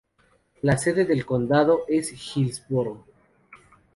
La sede del condado es Hillsboro.